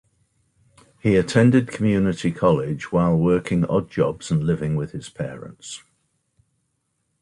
He attended community college, while working odd jobs and living with his parents.